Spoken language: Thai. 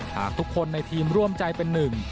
หากทุกคนในทีมร่วมใจเป็นหนึ่ง